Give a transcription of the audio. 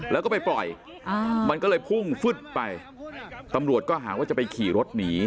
แล้วก็ไปปล่อยมันก็เลยพุ่งฟึดไปตำรวจก็หาว่าจะไปขี่รถหนี